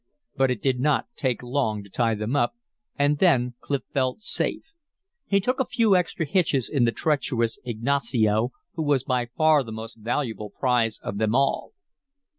But it did not take long to tie them up, and then Clif felt safe. He took a few extra hitches in the treacherous Ignacio, who was by far the most valuable prize of them all.